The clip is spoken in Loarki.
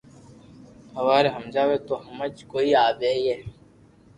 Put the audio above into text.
ھواري ھمجاوي تو ھمج ڪوئي آوئي